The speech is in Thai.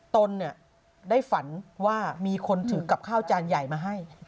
ตนได้ฝันว่ามีคนถือกับข้าวจานใหญ่มาให้